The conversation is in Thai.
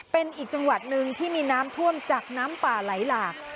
เป็นอีกจังหวัดหนึ่งที่มีน้ำท่วมจากน้ำป่าไหลหลาก